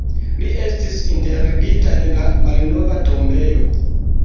Li estis enterigita en la malnova tombejo.